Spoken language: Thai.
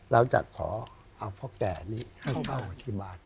เราจะขอเอาพ่อแก่นี้ให้เข้ามาที่บ้าน